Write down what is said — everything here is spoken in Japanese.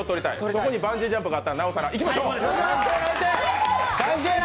そこにバンジージャンプがあったら、なおさら、いきましょう！